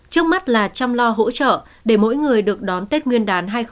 trước mắt là chăm lo hỗ trợ để mỗi người được đón tết nguyên